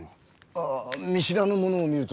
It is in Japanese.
ああ見知らぬ者を見ると興奮します。